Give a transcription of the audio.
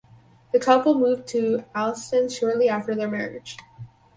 The couple moved to Allston shortly after their marriage.